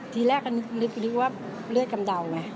ทีแรกก็นึกว่าเลือดกำเดาไง